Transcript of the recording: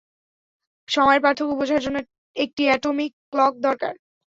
সময়ের পার্থক্য বোঝার জন্য একটি অ্যাটমিক ক্লক দরকার।